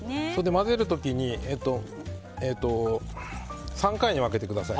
混ぜる時に３回に分けてください。